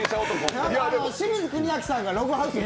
清水国明さんがログハウスに。